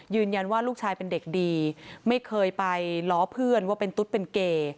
ยืนยันว่าลูกชายเป็นเด็กดีไม่เคยไปล้อเพื่อนว่าเป็นตุ๊ดเป็นเกย์